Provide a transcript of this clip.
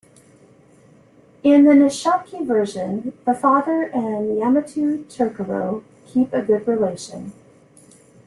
In the "Nihonshoki" version, the father and Yamato Takeru keep a good relation.